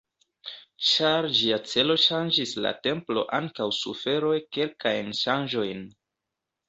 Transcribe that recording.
Ĉar ĝia celo ŝanĝis la templo ankaŭ suferoj kelkajn ŝanĝojn.